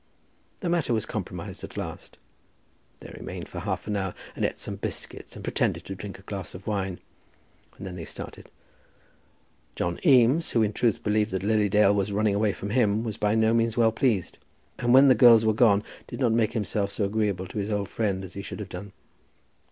The matter was compromised at last. They remained for half an hour, and ate some biscuits and pretended to drink a glass of wine, and then they started. John Eames, who in truth believed that Lily Dale was running away from him, was by no means well pleased, and when the girls were gone, did not make himself so agreeable to his old friend as he should have done.